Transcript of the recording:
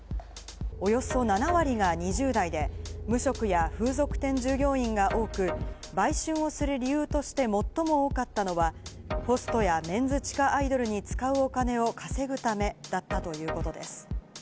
およそ７割が２０代で、無職や風俗店従業員が多く、売春をする理由として最も多かったのは、ホストやメンズ地下アイドルに使うお金を稼ぐためだったということです。